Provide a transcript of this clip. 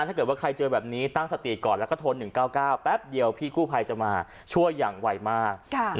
ถ้าเกิดว่าใครเจอแบบนี้ตั้งสติก่อนแล้วก็โทร๑๙๙แป๊บเดียวพี่กู้ภัยจะมาช่วยอย่างไวมาก